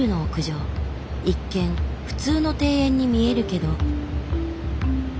一見普通の庭園に見えるけど。